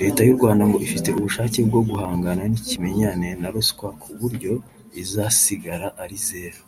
Leta y’u Rwanda ngo ifite ubushake bwo guhangana n’ikimenyane na ruswa ku buryo izasigara ari zeru